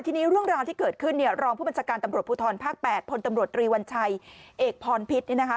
ทีนี้เรื่องราวที่เกิดขึ้นเนี่ยรองผู้บัญชาการตำรวจภูทรภาค๘พลตำรวจรีวัญชัยเอกพรพิษเนี่ยนะคะ